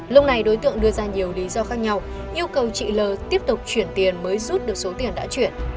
lúc này đối tượng đưa ra nhiều lý do khác nhau yêu cầu chị l tiếp tục chuyển tiền mới rút được số tiền đã chuyển